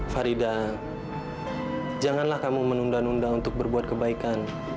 farida janganlah kamu menunda nunda untuk berbuat kebaikan